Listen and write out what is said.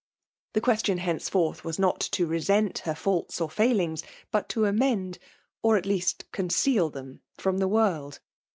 The queirtion henceforth was not to resent her faults or failings^ but *to amende or at leasts eonceal them, from the world.